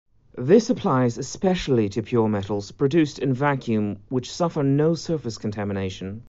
This applies especially to pure metals produced in vacuum which suffer no surface contamination.